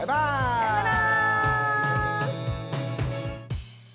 さようなら！